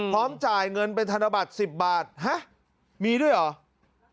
จ่ายเงินเป็นธนบัตร๑๐บาทฮะมีด้วยเหรอ